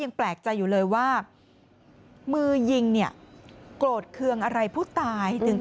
แปลกใจอยู่เลยว่ามือยิงเนี่ยโกรธเคืองอะไรผู้ตาย